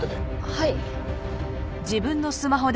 はい。